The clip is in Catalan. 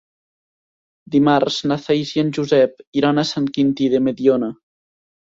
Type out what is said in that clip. Dimarts na Thaís i en Josep iran a Sant Quintí de Mediona.